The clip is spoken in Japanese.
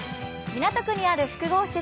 港区にある複合施設